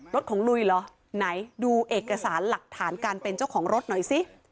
รถของลุยเหรอไหนดูเอกสารหลักฐานการเป็นเจ้าของรถหน่อยสิ